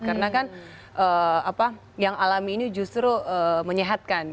karena kan apa yang alami ini justru menyehatkan gitu